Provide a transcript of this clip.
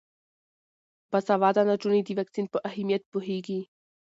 باسواده نجونې د واکسین په اهمیت پوهیږي.